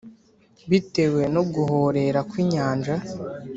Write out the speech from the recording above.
bitewe no guhorera kw inyanja